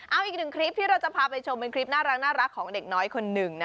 เอาอีกหนึ่งคลิปที่เราจะพาไปชมเป็นคลิปน่ารักของเด็กน้อยคนหนึ่งนะ